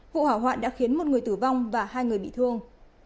vụ hỏa hoạn đã khiến một người tử vong và hai người bị thương